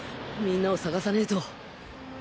みんなを捜さねぇと。